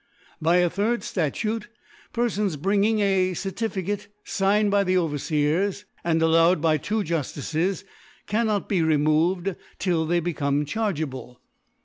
By ( 154 ) By a third Statute*, Pcrfons bringing a Certificate figncd by the Overfeers, 6f r. and allowed by two Juftices, cannot be removed till they become chargeable.